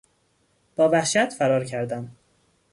با وحشت فرار کردن